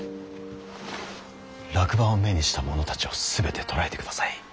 落馬を目にした者たちを全て捕らえてください。